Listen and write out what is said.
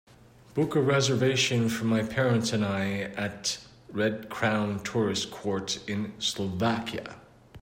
Book a reservation for my parents and I at Red Crown Tourist Court in Slovakia